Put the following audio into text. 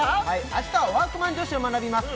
明日は＃ワークマン女子を学びます